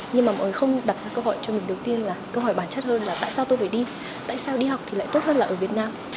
nhưng mà mọi người không đặt ra câu hỏi cho mình đầu tiên là câu hỏi bản chất hơn là tại sao tôi phải đi tại sao đi học thì lại tốt hơn là ở việt nam